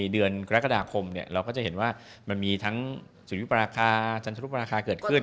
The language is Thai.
เราก็จะเห็นว่ามันมีทั้งสุริยุปราคาจันทรุปราคาเกิดขึ้น